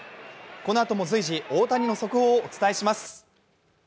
このあとも随時大谷の速報をお伝えします。